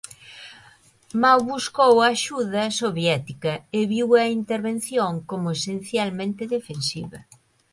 Mao buscou a axuda soviética e viu a intervención como esencialmente defensiva.